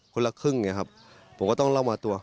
คนละครึ่งผมก็ต้องเล่ามาตัว